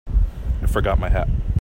I forgot my hat.